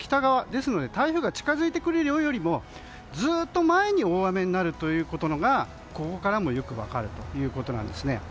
ですので台風が近づいてくるよりもずっと前に大雨になるということがここからもよく分かるということです。